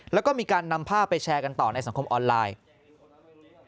แล้วก็มีการนำภาพไปแชร์กันต่อในสังคมออนไลน์